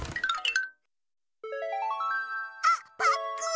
あっパックン！